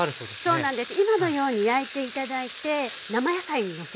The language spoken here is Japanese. そうなんです。